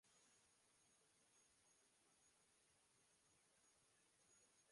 পরে চলে আসেন কলকাতার পার্সিবাগানে।